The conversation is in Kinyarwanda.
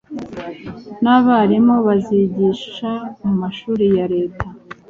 n'abarimu bazigisha mu mashuri ya Leta.